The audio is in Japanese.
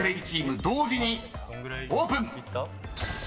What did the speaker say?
［同時にオープン！］